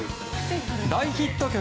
大ヒット曲